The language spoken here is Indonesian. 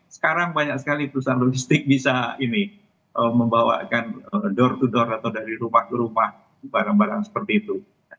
sekarang banyak sekali perusahaan logistik bisa ini membawakan door to door atau dari rumah ke rumah barang barang seperti itu